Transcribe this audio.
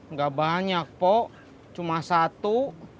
nggak banyak po cuma satu